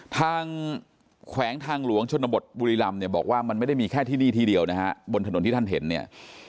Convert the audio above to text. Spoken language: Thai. แขวงทางหลวงชนบทบุรีรำเนี่ยบอกว่ามันไม่ได้มีแค่ที่นี่ที่เดียวนะฮะบนถนนที่ท่านเห็นเนี่ย